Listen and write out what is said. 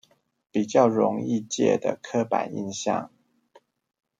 比較容易借的刻板印象